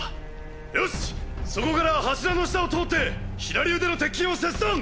よしそこから柱の下を通って左腕の鉄筋を切断！